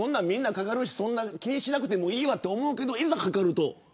みんなかかるしそんな気にしなくてもいいわって思うけど、いざかかると。